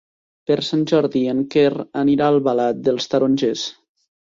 Per Sant Jordi en Quer anirà a Albalat dels Tarongers.